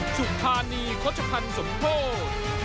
สุภาณีโคชภัณฑ์สมโภค